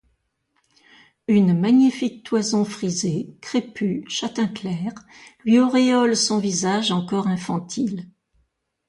Une magnifique toison frisée, crépue, châtain clair, lui auréole son visage encore infantile.